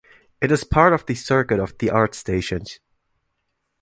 It is part of the circuit of the art stations.